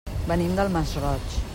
Venim del Masroig.